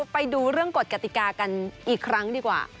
ไปดูเรื่องกฎกติกากันอีกครั้งดีกว่า